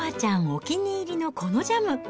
お気に入りのこのジャム。